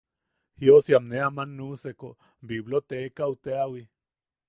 Jiosiam ne aman nuʼuseko bibliotekaʼu teawi.